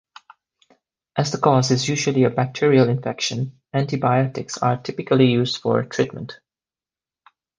As the cause is usually a bacterial infection, antibiotics are typically used for treatment.